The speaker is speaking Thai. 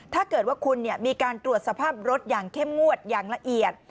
ถ้าเกิดว่าคุณมีการตรวจสภาพรถอย่างเข้มงวดอย่างละเอียด